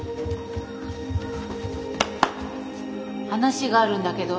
話があるんだけど。